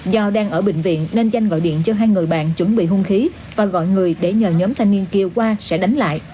do đang ở bệnh viện nên danh gọi điện cho hai người bạn chuẩn bị hung khí và gọi người để nhờ nhóm thanh niên kia qua sẽ đánh lại